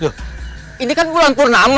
loh ini kan bulan purnama